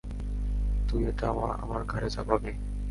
তুই এটা আমার ঘাড়ে চাপাবি?